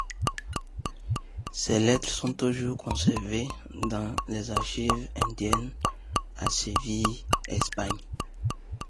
Ces lettres sont toujours conservées dans les archives indiennes à Séville, Espagne.